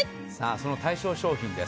その対象商品です。